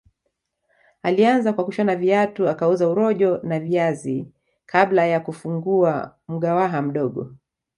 Alianza kwa kushona viatu akauza urojo na viazi kabla ya kufungua mgawaha mdogo